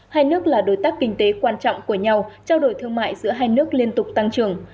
hai nước là đối tác kinh tế quan trọng của nhau trao đổi thương mại giữa hai nước liên tục tăng trưởng